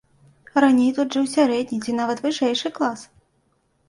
Раней тут жыў сярэдні ці нават вышэйшы клас.